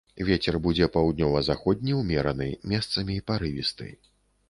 Вецер будзе паўднёва-заходні ўмераны, месцамі парывісты.